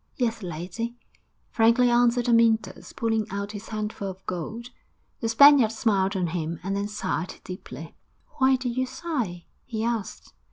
'Yes, lady,' frankly answered Amyntas, pulling out his handful of gold. The Spaniard smiled on him, and then sighed deeply. 'Why do you sigh?' he asked.